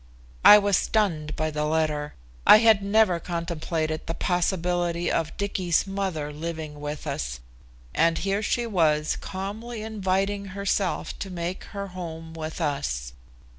I was stunned by the letter. I had never contemplated the possibility of Dicky's mother living with us, and here she was calmly inviting herself to make her home with us.